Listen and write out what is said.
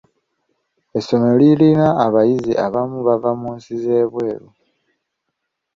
Essomero lirina abayizi abamu abava mu nsi z'ebweru.